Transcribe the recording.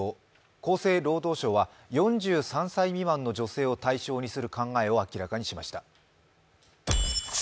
厚生労働省は４３歳未満の女性を対象にする考えを明らかにしました。